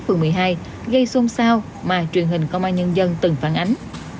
phường một mươi hai gây xôn xao mà truyền hình công an nhân dân từng phản ánh